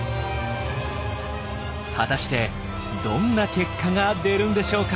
果たしてどんな結果が出るんでしょうか？